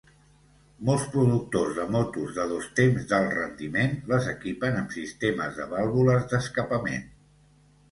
Molts productors de motos de dos temps d'alt rendiment les equipen amb sistemes de vàlvules d'escapament.